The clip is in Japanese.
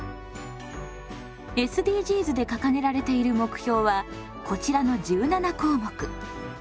ＳＤＧｓで掲げられている目標はこちらの１７項目。